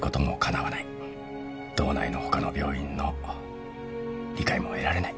道内の他の病院の理解も得られない。